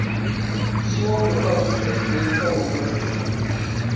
Soa um total de seis vezes ao longo desta cena.